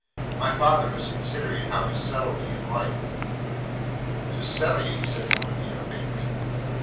My father is considering how to settle me in life.' 'To settle you!' said Monimia, faintly.